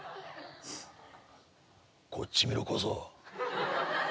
こっち見ろ小僧。